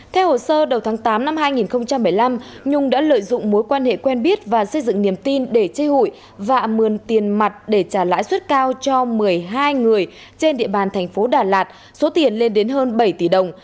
theo hồ sơ đầu tháng tám năm hai nghìn một mươi năm nhung đã lợi dụng mối quan hệ quen biết và xây dựng niềm tin để chơi hụi và mượn tiền mặt để trả lãi suất cao cho một mươi hai người trên địa bàn thành phố đà lạt số tiền lên đến hơn bảy tỷ đồng